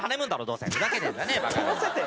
「どうせ」って。